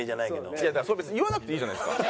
いやだからそれ別に言わなくていいじゃないですか。